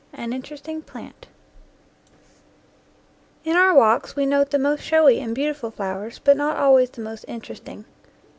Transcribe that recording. AN INTERESTING PLANT In our walks we note the most showy and beau tiful flowers, but not always the most interesting.